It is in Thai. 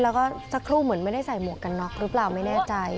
แล้วก็สักครู่เหมือนไม่ได้ใส่หมวกกันน็อกหรือเปล่าไม่แน่ใจ